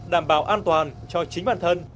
đảm bảo an toàn cho chính bản thân